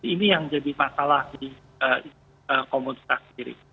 ini yang jadi masalah di komunitas sendiri